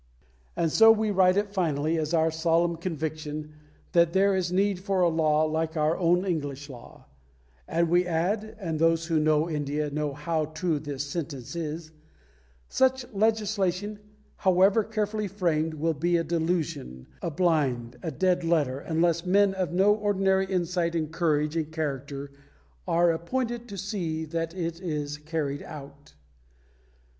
] And so we write it finally as our solemn conviction that there is need for a law like our own English law, and we add and those who know India know how true this sentence is _such legislation, however carefully framed, will be a delusion, a blind, a dead letter, unless men of no ordinary insight and courage and character are appointed to see that it is carried out_.